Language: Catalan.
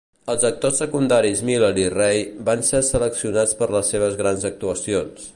Els actors secundaris Miller i Rey van ser seleccionats per les seves grans actuacions.